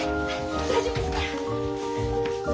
大丈夫ですから。